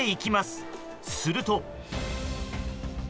すると。